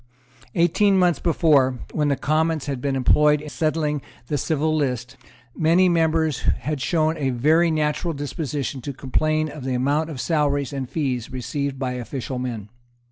Eighteen months before, when the Commons had been employed in settling the Civil List, many members had shown a very natural disposition to complain of the amount of the salaries and fees received by official men.